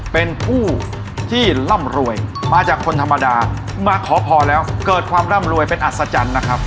เป็นผู้ที่ร่ำรวยมาจากคนธรรมดามาขอพรแล้วเกิดความร่ำรวยเป็นอัศจรรย์นะครับ